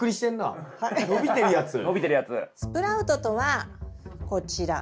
スプラウトとはこちら。